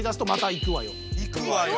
いくわよ！